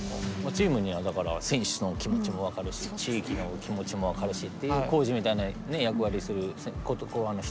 チームにはだから選手の気持ちも分かる地域の気持ちも分かるしっていう浩二みたいな役割をする人っていうのは大事だと思いますね。